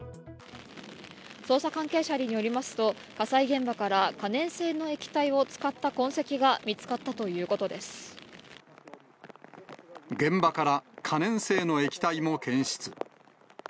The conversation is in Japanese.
捜査関係者によりますと、火災現場から可燃性の液体を使った痕跡が見つかったということで現場から可燃性の液体も検出。